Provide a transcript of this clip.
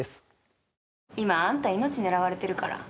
今あんた命狙われてるから。